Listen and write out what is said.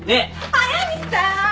速見さん